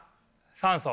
酸素。